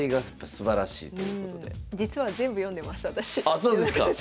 あそうですか！